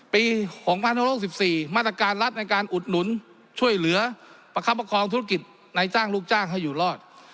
ปี๒๖๖๔มาตรการรัฐในการอุดหนุนช่วยเหลือประคับประคองธุรกิจในจ้างลูกจ้างให้อยู่รอด